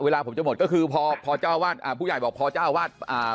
เวลาผมจะหมดก็คือพอพอเจ้าวาดอ่าผู้ใหญ่บอกพอเจ้าวาดอ่า